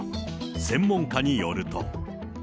専門家によると。